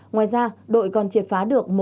ngoài ra đội còn triệt phá được